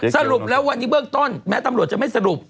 สรุปแล้ววันนี้เบื้องต้นแม้ตำรวจจะไม่สรุป